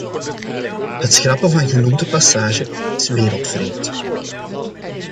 Het schrappen van genoemde passage is wereldvreemd.